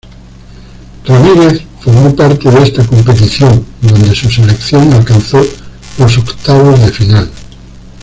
Ramírez formó parte de esta competición, donde su selección alcanzó los octavos de final.